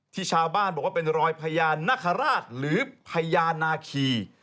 ชาวบ้านบอกว่าเป็นรอยพญานาคาราชหรือพญานาคี